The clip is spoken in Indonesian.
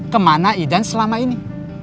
kemana idan selama ini